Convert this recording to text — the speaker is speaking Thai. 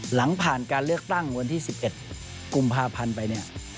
หลังผ่านการเลือกตั้งวันที่๑๑กุมภาพันธ์ไปเนี่ย